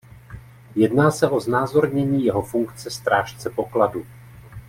Jedná se o znázornění jeho funkce strážce pokladu.